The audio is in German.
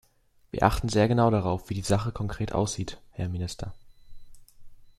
Wir achten sehr genau darauf, wie die Sache konkret aussieht, Herr Minister.